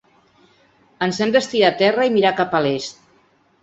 Ens hem d’estirar a terra i mirar cap a l’est.